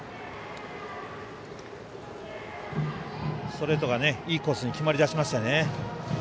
ストレートがいいコースに決まり始めましたね。